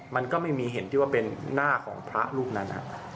มันก็ไม่มีเห็นที่ว่าเป็นหน้าของพระรูปนั้น